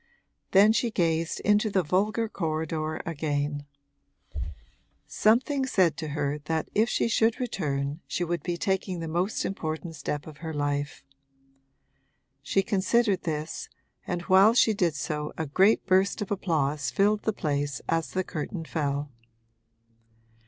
Then she gazed into the vulgar corridor again; something said to her that if she should return she would be taking the most important step of her life. She considered this, and while she did so a great burst of applause filled the place as the curtain fell.